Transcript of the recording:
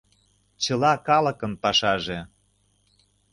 Чыла калыкын пашаже